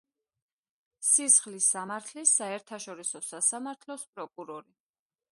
სისხლის სამართლის საერთაშორისო სასამართლოს პროკურორი.